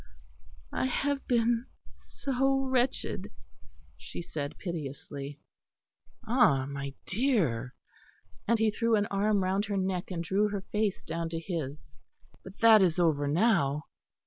"I have been so wretched," she said piteously. "Ah! my dear," and he threw an arm round her neck and drew her face down to his, "but that is over now."